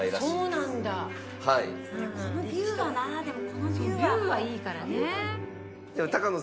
そうビューはいいからね。